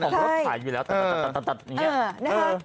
ของรถขายอยู่แล้วตัดอย่างนี้นะคะ